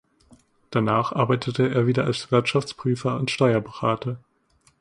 Danach arbeitete er wieder als Wirtschaftsprüfer und Steuerberater.